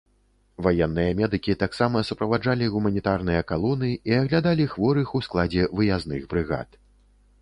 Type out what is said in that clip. Ваенныя медыкі таксама суправаджалі гуманітарныя калоны і аглядалі хворых у складзе выязных брыгад.